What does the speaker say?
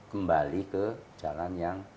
kembali ke jalan yang